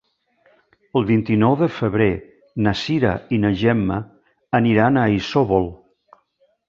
El vint-i-nou de febrer na Cira i na Gemma aniran a Isòvol.